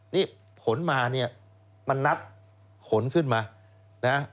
นี่ขนมามันนัดขนขึ้นมา